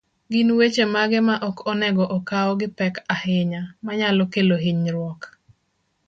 gin weche mage ma ok onego okaw gi pek ahinya, manyalo kelo hinyruok